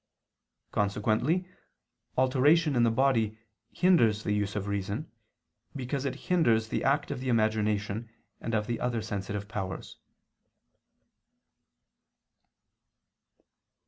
Consequently alteration in the body hinders the use of reason, because it hinders the act of the imagination and of the other sensitive powers.